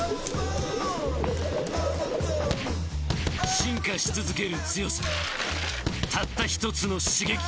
進化しつづける強さたったひとつの刺激